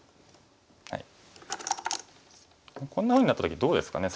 こんなふうになった時どうですかね